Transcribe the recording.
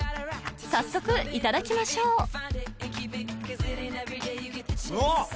早速いただきましょううわ！